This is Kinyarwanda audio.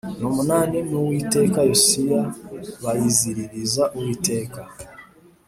n umunani w Umwami Yosiya bayiziririza Uwiteka